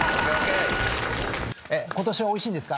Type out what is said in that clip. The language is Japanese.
ことしはおいしいんですか？